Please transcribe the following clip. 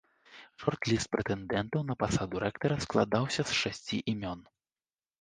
Шорт-ліст прэтэндэнтаў на пасаду рэктара складаўся з шасці імён.